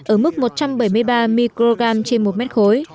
ở mức một trăm bảy mươi ba microgram trên một mét khối